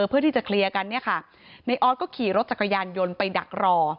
เพื่อที่จะเคลียร์กันเนี่ยค่ะในออสก็ขี่รถจักรยานยนต์ไปดักรอ